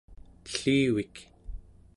ellivik